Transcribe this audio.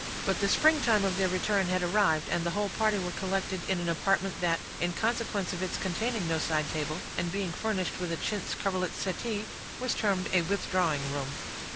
But the springtime of their return had arrived, and the whole party were collected in an apartment that, in consequence of its containing no side table, and being furnished with a chintz coverlet settee, was termed a withdrawing room.